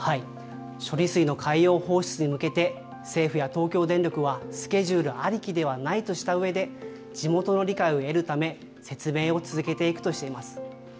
処理水の海洋放出に向けて、政府や東京電力は、スケジュールありきではないとしたうえで、地元の理解を得るため、説明を続けていくとしています。